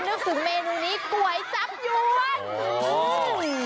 นึกถึงเมนูนี้ก๋วยจับยวน